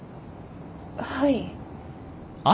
はい。